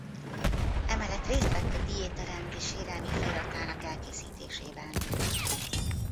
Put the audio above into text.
Emellett részt vett a diéta rendi sérelmi feliratának elkészítésében.